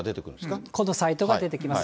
このサイトが出てきます。